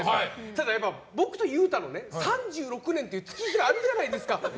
ただ、僕と裕太の３６年という月日があるじゃないですか。